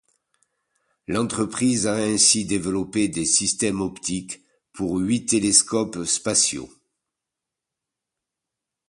L'entreprise a ainsi développé des systèmes optiques pour huit télescopes spatiaux.